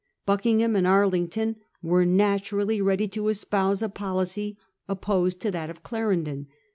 Buckingham and Arlington ion. were na turally ready to espouse a policy op posed to that of Clarendon.